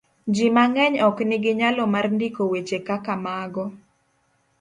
Ji mang'eny ok nigi nyalo mar ndiko weche kaka mago.